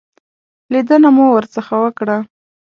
لیدنه مو ورڅخه وکړه.